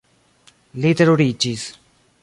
Li teruriĝis.